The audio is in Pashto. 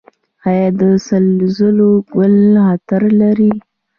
آیا د سنځلو ګل عطر لري؟